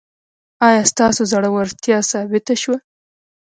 ایا ستاسو زړورتیا ثابته شوه؟